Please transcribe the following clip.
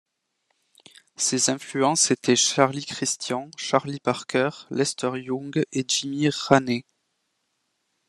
Ses influences étaient Charlie Christian, Charlie Parker, Lester Young et Jimmy Raney.